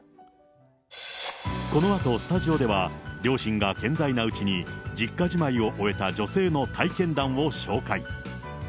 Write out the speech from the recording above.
このあと、スタジオでは両親が健在のうちに、実家じまいを終えた女性の体験談を紹介。